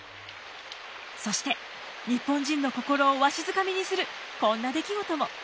そして日本人の心をわしづかみにするこんな出来事も。